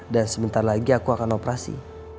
dan sebentar lagi aku akan operasi